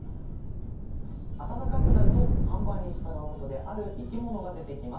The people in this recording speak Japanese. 暖かくなると看板に従うことである生き物が出てきます。